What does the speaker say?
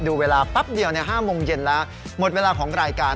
เวลาแป๊บเดียว๕โมงเย็นแล้วหมดเวลาของรายการ